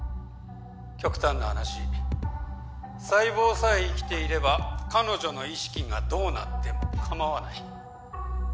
極端な話細胞さえ生きていれば彼女の意識がどうなっても構わない。